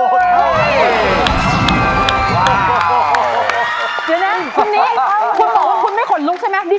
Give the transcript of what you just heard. เดี๋ยวนะคุณนี้คุณบอกว่าคุณไม่ขนลุกใช่ไหม